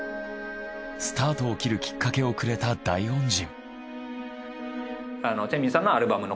スタートを切るきっかけをくれた大恩人。